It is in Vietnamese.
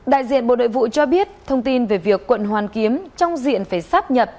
đại diện bộ nội vụ cho biết thông tin về việc quận hoàn kiếm trong diện phải sắp nhập